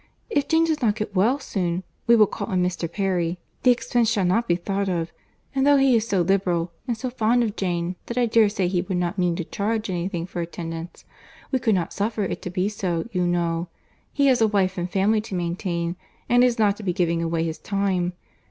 If Jane does not get well soon, we will call in Mr. Perry. The expense shall not be thought of; and though he is so liberal, and so fond of Jane that I dare say he would not mean to charge any thing for attendance, we could not suffer it to be so, you know. He has a wife and family to maintain, and is not to be giving away his time.